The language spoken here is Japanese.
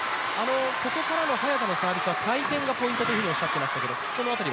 ここからの早田のサービスは回転がポイントとおっしゃっていましたが。